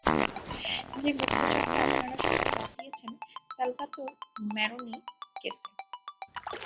যে গুপ্তচরকে আপনারা সবাই বাঁচিয়েছেন, স্যালভ্যাতোর ম্যারোনি কেসে।